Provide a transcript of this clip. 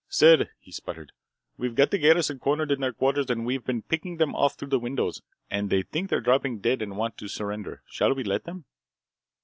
"Sir," he sputtered, "we got the garrison cornered in their quarters, and we've been picking them off through the windows, and they think they're dropping dead and want to surrender. Shall we let 'em?"